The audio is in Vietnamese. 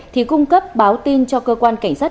thì cung cấp báo tin cho cơ quan cảnh sát